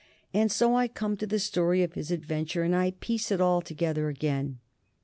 And so I come to the story of his adventure, and I piece it all together again.